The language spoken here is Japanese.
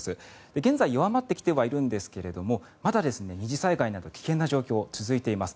現在弱まってきてはいるんですがまだ二次災害など危険な状況は続いています。